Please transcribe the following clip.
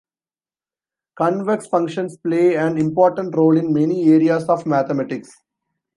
Convex functions play an important role in many areas of mathematics.